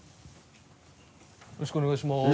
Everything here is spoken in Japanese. よろしくお願いします。